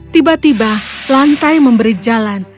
tiba tiba lantai memberi jalan